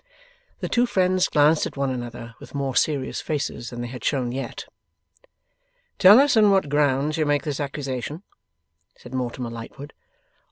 The two friends glanced at one another with more serious faces than they had shown yet. 'Tell us on what grounds you make this accusation,' said Mortimer Lightwood.